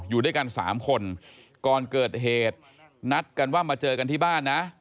อยู่ด้วยกันสามคนก่อนเกิดเหตุนัดกันว่ามาเจอกันที่บ้านนะ